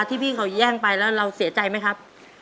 ที่พี่เขาแย่งไปแล้วเราเสียใจไหมครับ